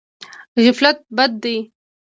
غفلت بد دی.